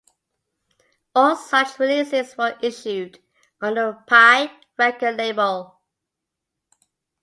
All such releases were issued on the Pye record label.